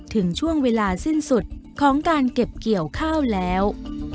ถึงช่วงเวลาสิ้นสุดของการเก็บเกี่ยวข้าวแล้ว